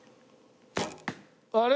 あれ？